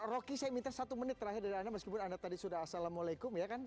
rocky saya minta satu menit terakhir dari anda meskipun anda tadi sudah assalamualaikum ya kan